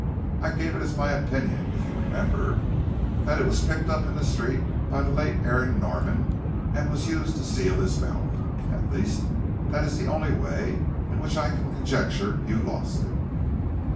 I gave it as my opinion, if you remember, that it was picked up in the street by the late Aaron Norman and was used to seal his mouth. At least that is the only way in which I can conjecture you lost it."